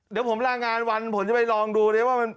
เดี๋ยวผมลางานวันผมจะไปลองดูดิว่ามัน